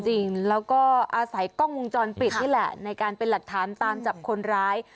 จริงแล้วก็อาศัยกล้องวงจรปิดนี่แหละในการเป็นหลักฐานตามจับคนร้าย